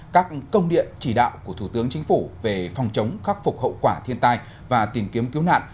các công điện chỉ đạo của thủ tướng chính phủ về phòng chống khắc phục hậu quả thiên tai và tìm kiếm cứu nạn